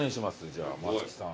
じゃあ松木さん。